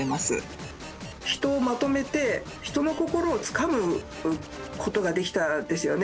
人をまとめて人の心をつかむ事ができたんですよね。